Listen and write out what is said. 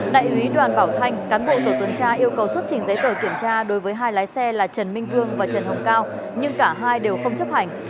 đại úy đoàn bảo thanh cán bộ tổ tuần tra yêu cầu xuất trình giấy tờ kiểm tra đối với hai lái xe là trần minh vương và trần hồng cao nhưng cả hai đều không chấp hành